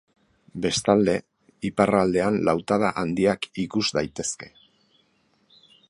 Bestalde, iparraldean lautada handiak ikus daitezke.